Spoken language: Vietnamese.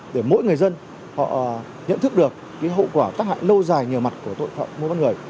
để mỗi người dân nhận thức được hậu quả tác hại lâu dài nhờ mặt của tội phạm mô bán người